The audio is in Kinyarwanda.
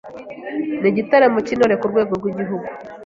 n’Igitaramo cy’Intore ku rwego rw’Igihugu.